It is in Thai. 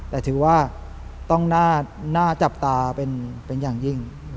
แต่ถือว่าต้องน่าจับตาเป็นอย่างยิ่ง